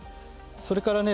それからね